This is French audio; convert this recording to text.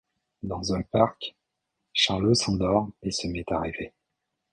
Dans un parc, Charlot s'endort et se met à rêver.